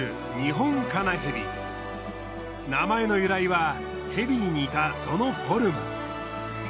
名前の由来はヘビに似たそのフォルム。